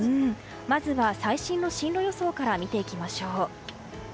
まず最新の進路予想から見ていきましょう。